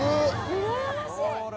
・うらやましい！